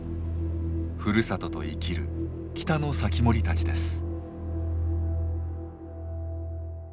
ふるさとと生きる北の防人たちです。